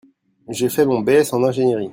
J'ai fait mon B.S en ingiénierie.